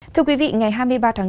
thưa quý vị ngày hai mươi ba tháng bốn